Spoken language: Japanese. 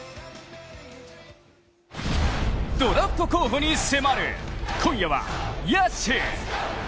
ドラフト候補に迫る、今夜は野手！